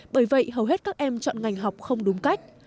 bởi vậy hầu hết các em chọn ngành học không đúng cách